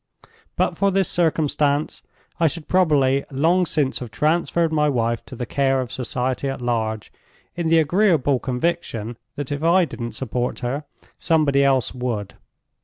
But for this circumstance, I should probably long since have transferred my wife to the care of society at large—in the agreeable conviction that if I didn't support her, somebody else would.